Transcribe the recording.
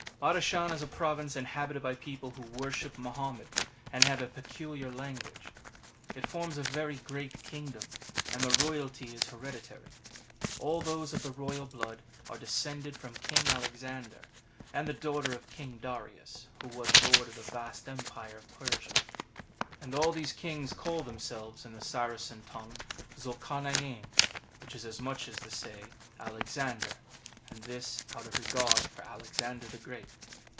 Badashan is a Province inhabited by people who worship Mahommet, and have a pecuHar language. It forms a very great kingdom, and the royalty is hereditary. All those of the royal blood are descended from King Alex ander and the daughter of King Darius, who was Lord of the vast Empire of Persia. And all these kings call themselves in the Saracen tongue Zulcarniain, which is as much as to say Alexander ; and this out of regard for Alexander the Great.